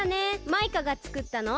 マイカがつくったの？